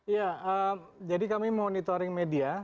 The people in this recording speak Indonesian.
ya jadi kami monitoring media